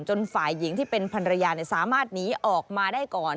ฝ่ายหญิงที่เป็นภรรยาสามารถหนีออกมาได้ก่อน